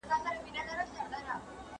کاروان مومند